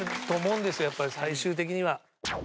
やっぱり最終的には。